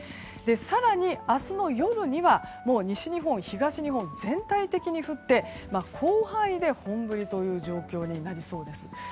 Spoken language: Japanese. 更に明日の夜にはもう西日本、東日本全体的に降って広範囲で本降りという状況になりそうです。